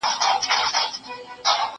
زه اوس درسونه لوستل کوم؟!